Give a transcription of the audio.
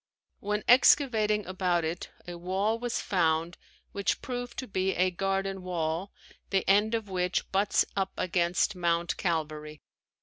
When excavating about it a wall was found which proved to be a garden wall the end of which butts up against Mount Calvary.